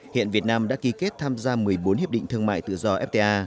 hiện việt nam đã ký kết tham gia một mươi bốn hiệp định thương mại tự do fta